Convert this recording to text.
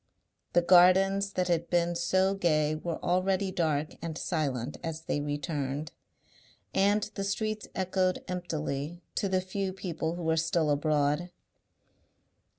The gardens that had been so gay were already dark and silent as they returned, and the streets echoed emptily to the few people who were still abroad.